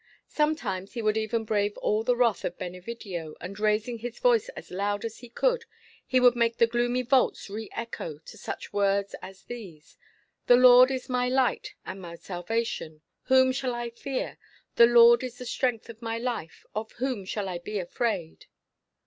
Sometimes he would even brave all the wrath of Benevidio, and raising his voice as loud as he could, he would make the gloomy vaults re echo to such words as these: "The Lord is my light and my salvation; whom shall I fear? The Lord is the strength of my life; of whom shall I be afraid?"